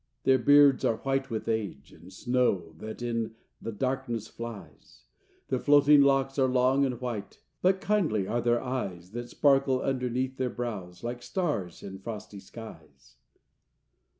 Their beards are white with age, and snow That in the darkness flies; Their floating locks are long and white, But kindly are their eyes That sparkle underneath their brows, Like stars in frosty skies.